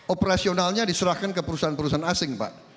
operasionalnya diserahkan ke perusahaan perusahaan asing pak